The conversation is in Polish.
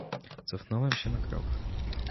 "Cofnąłem się na krok."